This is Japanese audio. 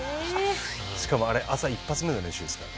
しかもあれ朝１発目の練習ですから。